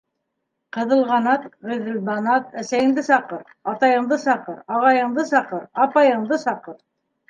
- Ҡыҙылғанат, Ғиҙелбанат, әсәйеңде саҡыр, атайыңды саҡыр, ағайыңды саҡыр, апайыңды саҡыр.